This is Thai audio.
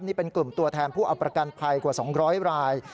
นี่เป็นกลุ่มตัวแทนผู้เอาประกันภัยกว่า๒๐๐ราย